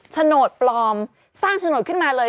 โฉนดปลอมสร้างโฉนดขึ้นมาเลย